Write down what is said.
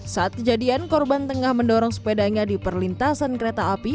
saat kejadian korban tengah mendorong sepedanya di perlintasan kereta api